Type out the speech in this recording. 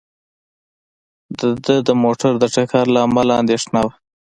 د ده د موټر د ټکر له امله اندېښنه وه.